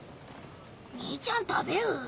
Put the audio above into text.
兄ちゃん食べる？